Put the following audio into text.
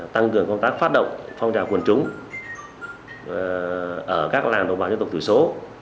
tăng cường công tác phát động phong trào quần chúng ở các làng đồng bào dân tộc thiểu số